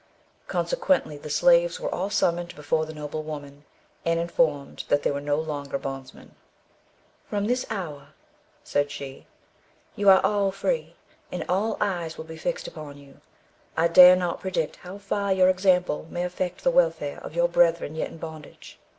Consequently the slaves were all summoned before the noble woman, and informed that they were no longer bondsmen. "From this hour," said she, "you are free, and all eyes will be fixed upon you. I dare not predict how far your example may affect the welfare of your brethren yet in bondage.